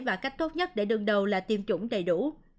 và cách tốt nhất để đương đầu là tiêm chủng đầy đủ